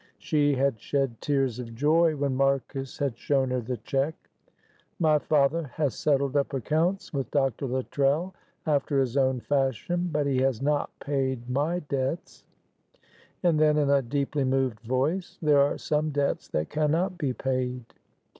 She had shed tears of joy when Marcus had shown her the cheque. "My father has settled up accounts with Dr. Luttrell after his own fashion, but he has not paid my debts." And then in a deeply moved voice, "There are some debts that cannot be paid.